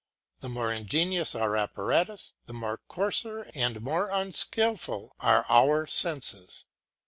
The more ingenious our apparatus, the coarser and more unskilful are our senses.